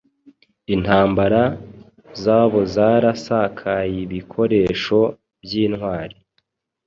Intambara zabozarasakayeibikoresho byintwari